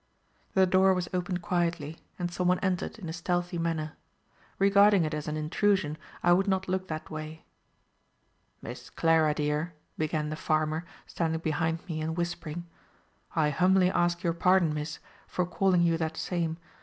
The door was opened quietly, and some one entered in a stealthy manner. Regarding it as an intrusion, I would not look that way. "Miss Clara dear," began the farmer, standing behind me, and whispering, "I humbly ask your pardon, Miss, for calling you that same.